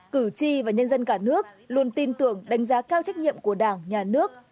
cử tri và nhân dân cả nước luôn tin tưởng đánh giá cao trách nhiệm của đảng nhà nước